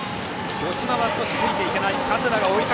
五島はついていけない。